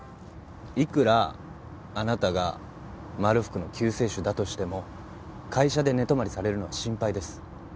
いくらあなたがまるふくの救世主だとしても会社で寝泊まりされるのは心配です。